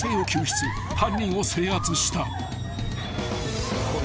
［犯人を制圧した］